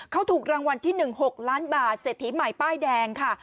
เขาถูกรางวัลที่๑๖ล้านบาทเศรษฐีใหม่ป้ายแดงค่ะ